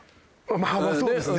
まあそうですね。